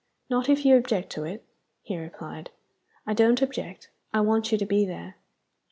"Not if you object to it," he replied. "I don't object. I want you to be there."